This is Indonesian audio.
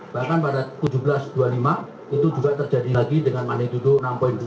bahkan pada seribu tujuh ratus dua puluh lima itu juga terjadi lagi dengan magnitudo enam dua